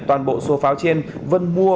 toàn bộ số pháo trên vân mua